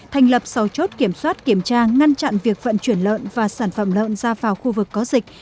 thành lập sầu chốt kiểm soát kiểm tra ngăn chặn việc vận chuyển lợn và sản phẩm lợn ra vào khu vực có dịch